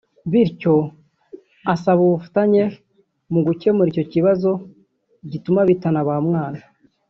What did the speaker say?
bityo agasaba ubufatanye mu gukemura icyo kibazo gituma bitana bamwana